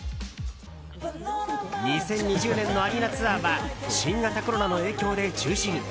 ２０２０年のアリーナツアーは新型コロナの影響で中止に。